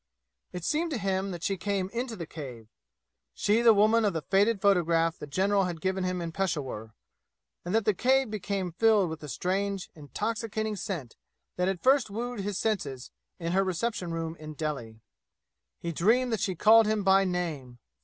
It seemed to him that she came into the cave she the woman of the faded photograph the general had given him in Peshawur and that the cave became filled with the strange intoxicating scent that had first wooed his senses in her reception room in Delhi. He dreamed that she called him by name.